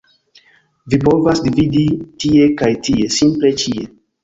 Vi povas vidi tie kaj tie - simple ĉie